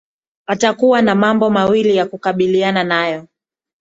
atakuwa na mambo mawili ya kukabiliana nayo